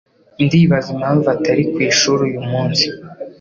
Ndibaza impamvu atari ku ishuri uyu munsi.